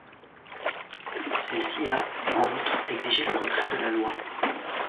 Celle-ci a, en outre, exigé le retrait de la loi.